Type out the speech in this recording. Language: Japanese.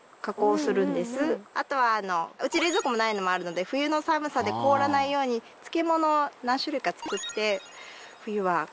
あとはうち冷蔵庫もないのもあるので冬の寒さで凍らないように漬物を何種類か作って冬は越えてますね。